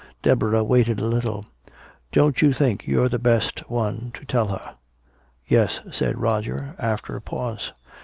Deborah waited a little. "Don't you think you're the best one to tell her?" "Yes," said Roger, after a pause.